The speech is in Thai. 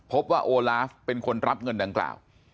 โอลาฟเป็นคนรับเงินดังกล่าว